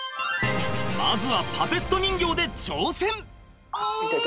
まずはパペット人形で挑戦！